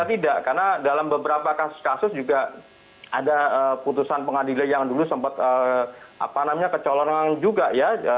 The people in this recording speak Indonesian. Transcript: tidak karena dalam beberapa kasus kasus juga ada putusan pengadilan yang dulu sempat kecolongan juga ya